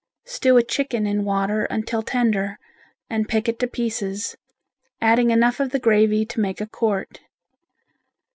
Stew a chicken in water until tender and pick it to pieces, adding enough of the gravy to make a quart.